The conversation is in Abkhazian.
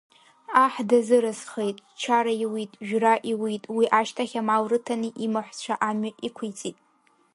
Аҳ дазыразхеит, чара иуит, жәра иуит, уи ашьҭахь амал рыҭаны имаҳәцәа амҩа иқәиҵит.